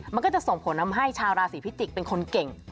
มันก็จะส่งผลทำให้ชาวราศีพิจิกษ์เป็นคนเก่ง